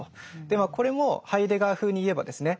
でまあこれもハイデガー風に言えばですね